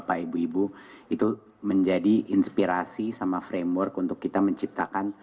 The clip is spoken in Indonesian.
bapak ibu ibu itu menjadi inspirasi sama framework untuk kita menciptakan